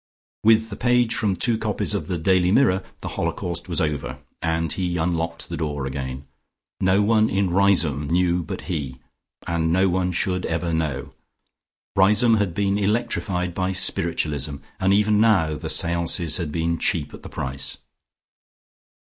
With the page from two copies of the "Daily Mirror" the holocaust was over, and he unlocked the door again. No one in Riseholme knew but he, and no one should ever know. Riseholme had been electrified by spiritualism, and even now the seances had been cheap at the price.